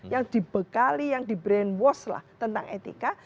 yang dibekali yang di brainwash lah tentang etika